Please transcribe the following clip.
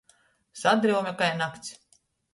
Sadryume kai nakts.